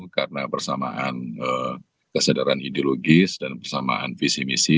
karena persamaan kesadaran ideologis dan persamaan visi misi